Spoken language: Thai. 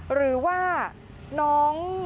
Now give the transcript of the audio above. หรือว่าน้อง